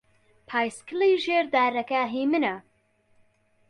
پایسکلی ژێر دارەکە هیی منە.